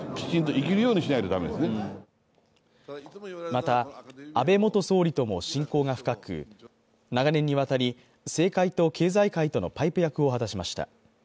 また、安倍元総理とも親交が深く長年にわたり、政界と経済界とのパイプ役を果たしました。